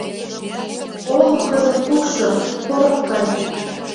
Олым кызыт кукшо, порох гай.